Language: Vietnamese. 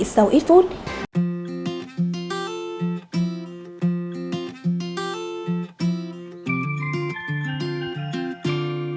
xin chào và hẹn gặp lại